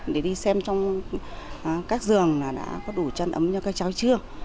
để đi xem trong các giường là đã có đủ chăn ấm cho các cháu chưa